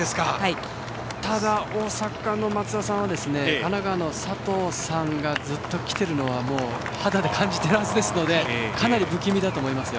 ただ大阪の松田さんは神奈川の佐藤さんがずっと来ているのは肌で感じているはずですのでかなり不気味だと思います。